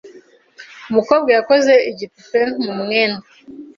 Umukobwa yakoze igipupe mu mwenda.